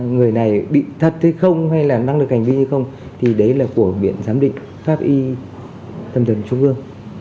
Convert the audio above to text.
người này bị thật hay không hay là năng lực hành vi hay không thì đấy là của viện giám định pháp y tâm thần trung ương